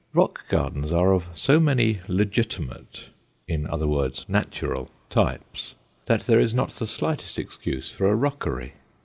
Rock gardens are of so many legitimate in other words, natural types, that there is not the slightest excuse for a rockery.